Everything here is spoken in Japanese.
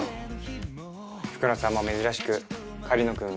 福野さんも珍しく「狩野くん